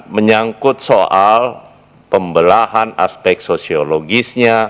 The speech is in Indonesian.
menyangkut soal pembelahan aspek sosiologisnya